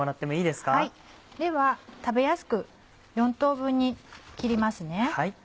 では食べやすく４等分に切りますね。